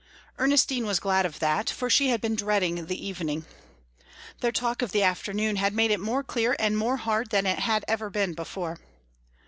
Ernestine was glad of that, for she had been dreading the evening. Their talk of the afternoon had made it more clear and more hard than it had ever been before.